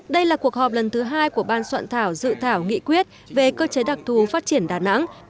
đây là cuộc họp lần thứ hai của ban soạn thảo dự thảo nghị quyết về cơ chế đặc thù phát triển đà nẵng